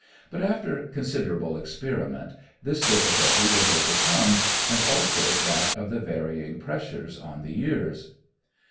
But after considerable experiment, this difficulty was overcome and also that of the varying pressures on the ears.